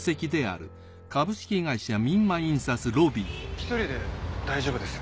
１人で大丈夫です。